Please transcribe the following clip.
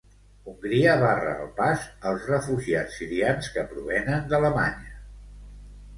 Hongria barra el pas als refugiats sirians que provenen d'Alemanya.